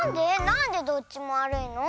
なんでどっちもわるいの？